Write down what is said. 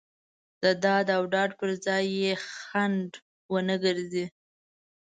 د داد او ډاډ پر ځای یې خنډ ونه ګرځي.